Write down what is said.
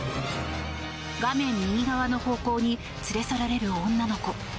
画面右側の方向に連れ去られる女の子。